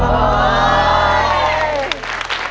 ไม่ได้